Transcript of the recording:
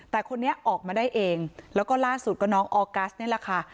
แต่คนนี้ออกมาได้เองแล้วก็ล่าสุดก็น้องออกัสนี่แหละค่ะ